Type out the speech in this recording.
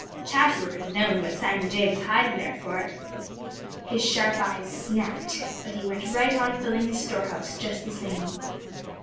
Chatterer had known what Sammy Jay was hiding there for. His sharp eyes snapped, but he went right on filling his store house just the same.